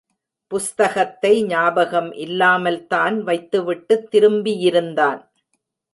புஸ்தகத்தை ஞாபகம் இல்லாமல்தான் வைத்துவிட்டுத் திரும்பியிருந்தான்.